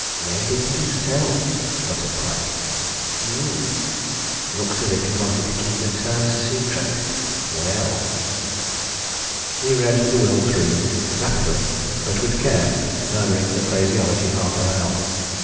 "Made it himself!" muttered Pratt. "Um! looks as if he wanted to keep the terms secret. Well " He read the will through rapidly, but with care, murmuring the phraseology half aloud.